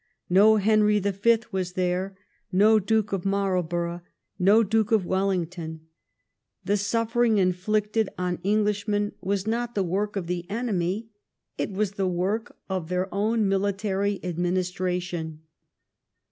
No Henry the Fifth was there, no Duke of Marlborough, no Duke of Wellington. The suffering inflicted on English men was not the work of the enemy; it was the work of their own military administration.